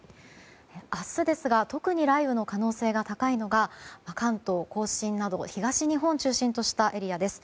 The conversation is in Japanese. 明日ですが特に雷雨の可能性が高いのが関東・甲信など東日本を中心としたエリアです。